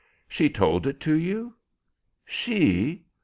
"She told it to you." "She?